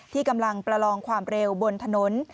ที่กำลังประลองความเร็วบนถนน